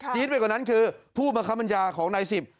ไปกว่านั้นคือผู้บังคับบัญชาของนายสิบ